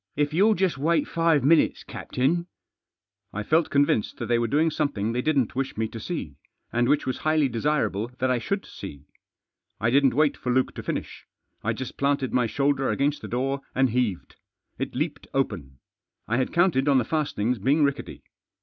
" If you'll just wait five minutes, captain " Digitized by Google THE FATHER— AND HIS CHILD. 267 I felt convinced that they were doing something they didn't wish me to see, and which was highly desirable that I should see. I didn't wait for Luke4o finish. I just planted my shoulder against the door, and heaved. It leaped open. I had counted on the fastenings being rickety.